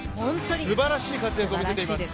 すばらしい活躍を見せています。